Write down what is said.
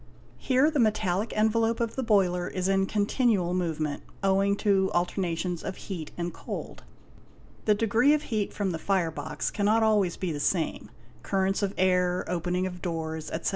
Here the metallic envelope of the boiler is in continual movement, owing to alternations of heat and cold. The degree of heat from the fire box cannot be always the same; currents — of air, opening of doors, etc.